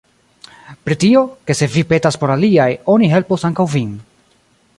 Pri tio, ke se vi petas por aliaj, oni helpos ankaŭ vin.